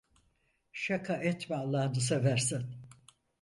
Şaka etme Allahını seversen!